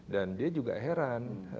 dan dia juga heran